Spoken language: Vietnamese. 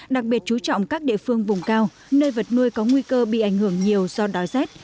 đặc biệt chú trọng các địa phương vùng cao nơi vật nuôi có nguy cơ bị ảnh hưởng nhiều do đói rét